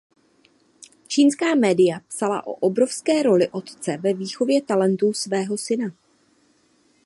Čínská média psala o obrovské roli otce ve výchově talentů svého syna.